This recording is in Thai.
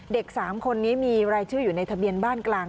๓คนนี้มีรายชื่ออยู่ในทะเบียนบ้านกลาง